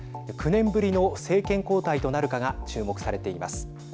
９年ぶりの政権交代となるかが注目されています。